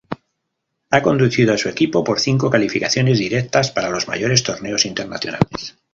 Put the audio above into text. Ha conducido a su equipo por cinco calificaciones directas para los mayores torneos internacionales.